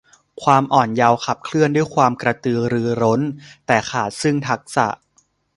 ความอ่อนเยาว์ขับเคลื่อนด้วยความกระตือรือร้น แต่ขาดซึ่งทักษะ